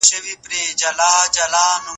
علمي قوانين تل په عمل کې ثابتېږي.